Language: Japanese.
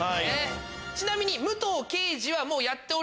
ちなみに。